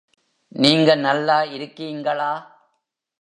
நீங்க நல்லா இருக்கீங்களா?